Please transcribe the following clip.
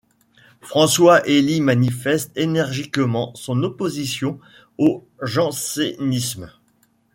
François-Élie manifeste énergiquement son opposition au jansénisme.